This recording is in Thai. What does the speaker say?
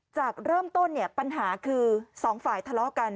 จากเริ่มต้นเนี่ยปัญหาคือสองฝ่ายทะเลาะกัน